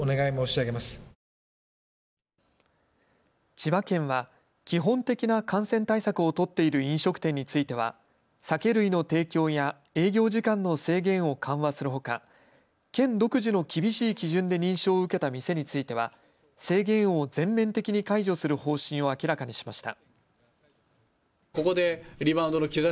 千葉県は基本的な感染対策を取っている飲食店については酒類の提供や営業時間の制限を緩和するほか県独自の厳しい基準で認証を受けた店については制限を全面的に解除する方針を明らかにしました。